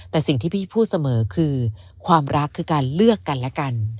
แต่สิ่งที่พี่พูดเสมอคือความรักคือการเลือกกันและกัน